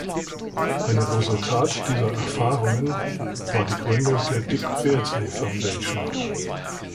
Ein Resultat dieser Erfahrungen war die Gründung der "Dick Beardsley Foundation.